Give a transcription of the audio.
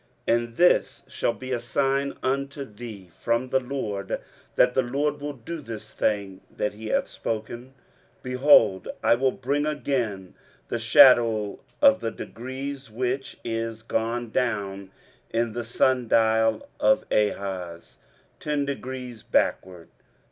23:038:007 And this shall be a sign unto thee from the LORD, that the LORD will do this thing that he hath spoken; 23:038:008 Behold, I will bring again the shadow of the degrees, which is gone down in the sun dial of Ahaz, ten degrees backward.